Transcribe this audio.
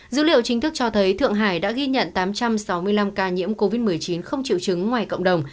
dữ liệu chính thức cho thấy thượng hải đã ghi nhận tám trăm sáu mươi năm ca nhiễm covid một mươi chín không chịu chứng ngoài cộng đồng